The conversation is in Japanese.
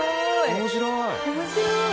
面白い。